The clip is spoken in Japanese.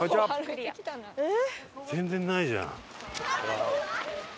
全然ないじゃん。